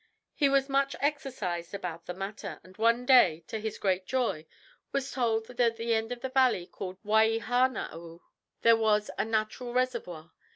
He was much exercised about the matter, and one day, to his great joy, he was told that at the end of a valley called Waihanau there was a natural reservoir.